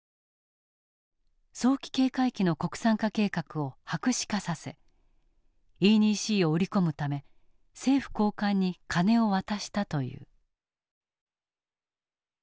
早期警戒機の国産化計画を白紙化させＥ２Ｃを売り込むため政府高官に金を渡したという。